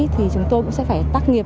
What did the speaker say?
thì chúng tôi cũng sẽ phải tác nghiệp